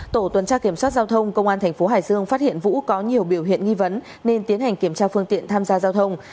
tổ tuần tra kiểm soát giao thông công an thành phố hải dương phát hiện vũ có nhiều biểu hiện nghi vấn nên tiến hành kiểm tra phương tiện tham gia giao thông